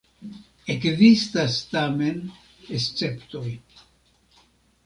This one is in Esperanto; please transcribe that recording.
Ekzistas tamen esceptoj.